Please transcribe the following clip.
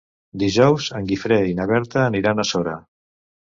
Dijous en Guifré i na Berta aniran a Sora.